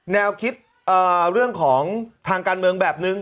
แนวคิดเรื่องของทางการเมืองแบบนึง